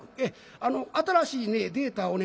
あの新しいねデータをね